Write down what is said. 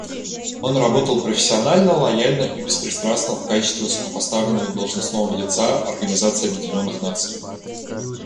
Он работал профессионально, лояльно и беспристрастно в качестве высокопоставленного должностного лица Организации Объединенных Наций.